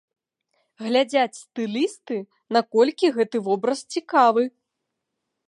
Глядзяць стылісты, наколькі гэты вобраз цікавы.